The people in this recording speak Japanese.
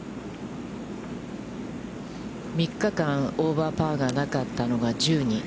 ３日間、オーバーパーがなかったのが１０人。